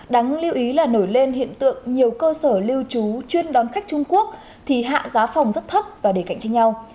đáng lưu ý là nổi lên hiện tượng nhiều cơ sở lưu trú chuyên đón khách trung quốc thì hạ giá phòng rất thấp và để cạnh tranh nhau